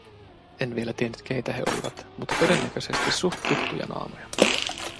En vielä tiennyt keitä he olivat, mutta todennäköisesti suht tuttuja naamoja.